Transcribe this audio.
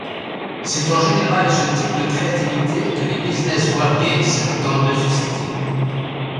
C'est en général ce type de créativité que les business wargames tentent de susciter.